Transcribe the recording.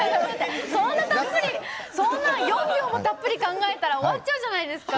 そんな４秒もたっぷり考えたら終わっちゃうじゃないですか！